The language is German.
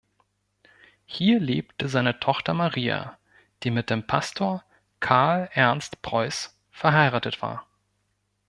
Hier lebte seine Tochter Maria, die mit dem Pastor "Karl Ernst Preuß" verheiratet war.